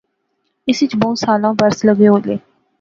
اس وچ بہوں سالاں برس لغے ہولے